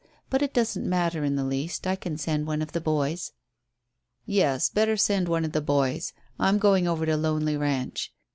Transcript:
But it doesn't matter in the least, I can send one of the boys." "Yes, better send one of the boys. I'm going over to Lonely Ranch.